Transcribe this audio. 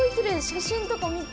写真とか見て。